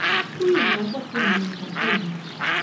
ผู้หญิงน้อยกว่ากึ่งหนึ่งของกลุ่ม